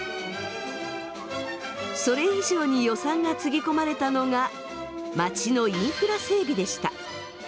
それ以上に予算がつぎ込まれたのが街のインフラ整備でした。